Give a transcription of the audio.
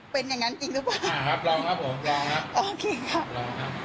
เป็นอย่างนั้นจริงหรือเปล่าอ่าครับลองครับผมลองครับโอเคครับลองครับ